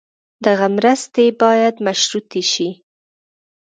دغه مرستې باید مشروطې شي.